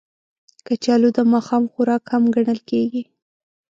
کچالو د ماښام خوراک هم ګڼل کېږي